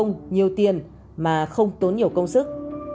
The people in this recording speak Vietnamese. nhiều tiền mà không tốn nhiều công sức